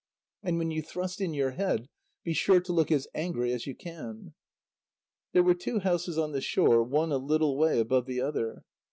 And when you thrust in your head, be sure to look as angry as you can." There were two houses on the shore, one a little way above the other.